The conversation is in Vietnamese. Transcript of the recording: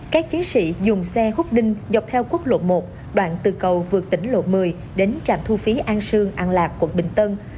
các chiến sĩ dùng xe hút đinh dọc theo quốc lộ một đoạn từ cầu vượt tỉnh lộ một mươi đến trạm thu phí an sương an lạc quận bình tân